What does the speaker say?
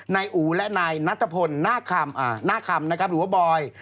นายอู๋และนายนัตภพลนาคมอ่านาคมนะครับหรือว่าบอย